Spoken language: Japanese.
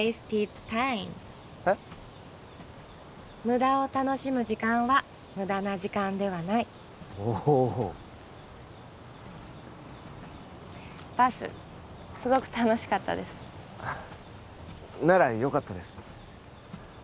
無駄を楽しむ時間は無駄な時間ではないおおバスすごく楽しかったですならよかったです